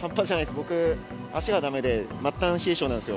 僕、足がだめで、末端冷え性なんですよ。